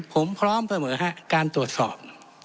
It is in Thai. ผมพร้อมเสมอฮะการตรวจสอบ